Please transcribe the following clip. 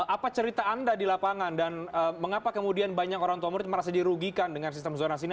apa cerita anda di lapangan dan mengapa kemudian banyak orang tua murid merasa dirugikan dengan sistem zonasi ini